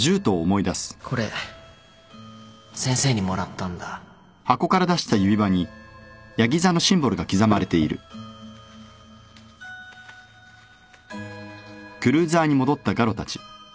これ先生にもらったんだん？